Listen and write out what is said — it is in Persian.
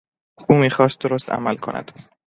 او میخواست درست عمل کند.